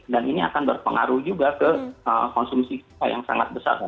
dan ini akan berpengaruh juga ke konsumsi kita yang sangat besar